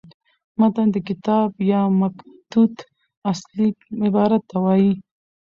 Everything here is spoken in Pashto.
متن د کتاب یا مکتوت اصلي عبارت ته وايي.